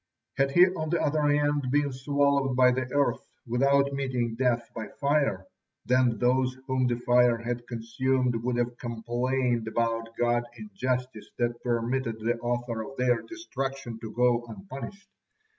Had he, on the other hand, been swallowed by the earth without meeting death by fire, then those whom the fire had consumed would have complained about God injustice that permitted the author of their destruction to go unpunished.